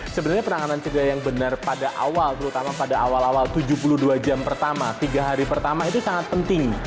sebenarnya penanganan cerita yang benar pada awal terutama pada awal awal tujuh puluh dua jam pertama tiga hari pertama itu sangat penting